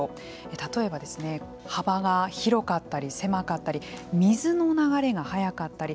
例えば、幅が広かったり狭かったり水の流れが速かったり